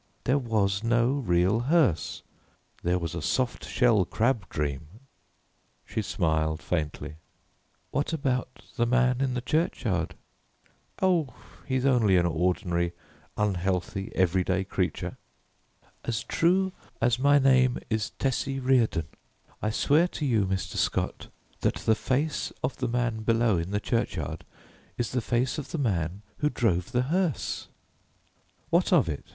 There was no real hearse. There was a soft shell crab dream." She smiled faintly. "What about the man in the churchyard?" "Oh, he's only an ordinary unhealthy, everyday creature." "As true as my name is Tessie Reardon, I swear to you, Mr. Scott, that the face of the man below in the churchyard is the face of the man who drove the hearse!" "What of it?"